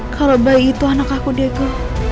kalau bayi itu anak aku diego